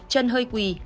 chân hơi quý